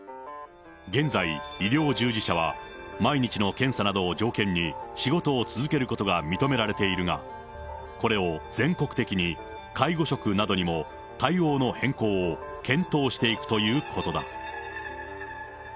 現在、医療従事者は毎日の検査などを条件に、仕事を続けることが認められているが、これを全国的に介護職などにも対応の変更を検討していくということだ。